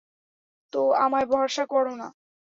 তো, আমায় ভরসা করো না?